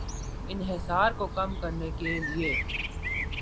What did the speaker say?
انحصار کو کم کرنے کے لیے